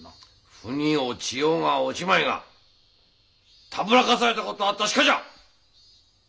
腑に落ちようが落ちまいがたぶらかされたことは確かじゃ！